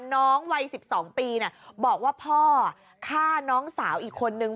น้องวัย๑๒ปีบอกว่าพ่อฆ่าน้องสาวอีกคนนึง